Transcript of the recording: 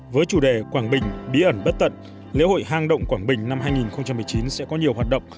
với chủ đề quảng bình bí ẩn bất tận lễ hội hang động quảng bình năm hai nghìn một mươi chín sẽ có nhiều hoạt động